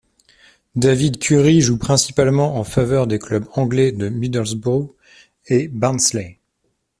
David Currie joue principalement en faveur des clubs anglais de Middlesbrough et Barnsley.